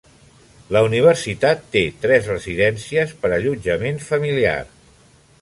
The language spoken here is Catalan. La universitat té tres residències per a allotjament familiar.